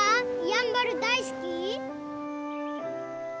やんばる大好き？